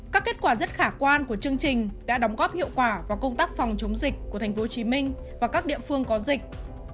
các kết quả rất khả quan của chương trình đã đóng góp hiệu quả vào công tác phòng chống dịch của tp hcm và các địa phương có dịch